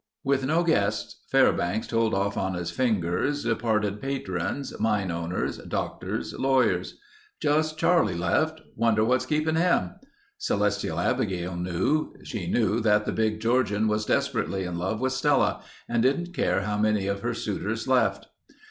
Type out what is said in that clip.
With no guests Fairbanks told off on his fingers, departed patrons, mine owners, doctors, lawyers. "Just Charlie left. Wonder what's keeping him?" Celestia Abigail knew. She knew that the big Georgian was desperately in love with Stella and didn't care how many of her suitors left.